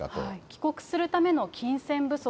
帰国するための金銭不足。